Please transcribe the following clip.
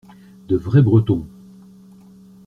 De vrais Bretons.